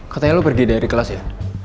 katanya lo pergi dari kelas ya